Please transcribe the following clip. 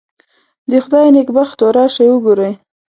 د خدای نېکبختو راشئ وګورئ.